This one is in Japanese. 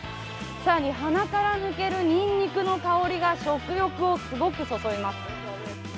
更に鼻から抜けるにんにくの香りが食欲をすごくそそります。